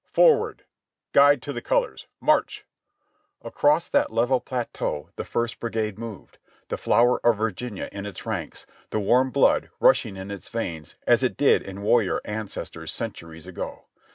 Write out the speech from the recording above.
"Forward ! Guide to the colors ! March !" Across that level plateau the First Brigade moved, the flower of Virginia in its ranks, the warm blood rushing in its veins as it did in warrior ancestors centuries ago.